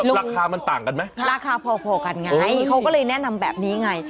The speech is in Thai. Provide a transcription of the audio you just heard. ราคามันต่างกันไหมราคาพอกันไงเขาก็เลยแนะนำแบบนี้ไง